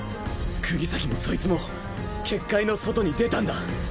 釘崎もそいつも結界の外に出たんだ。